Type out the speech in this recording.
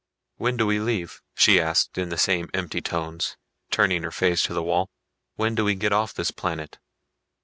"When do we leave?" she asked in the same empty tones, turning her face to the wall. "When do we get off this planet?"